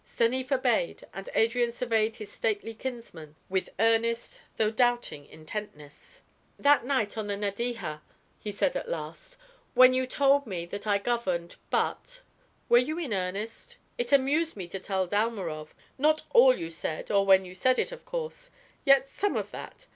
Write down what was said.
Stanief obeyed, and Adrian surveyed his stately kinsman with earnest, though doubting intentness. "That night on the Nadeja," he at last said, "when you told me that I governed, 'but' were you in earnest? It amused me to tell Dalmorov not all you said or when you said it, of course yet some of that.